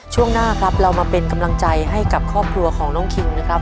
ช่วงหน้าครับเรามาเป็นกำลังใจให้กับครอบครัวของน้องคิวนะครับ